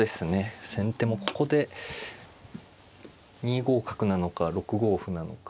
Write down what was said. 先手もここで２五角なのか６五歩なのか。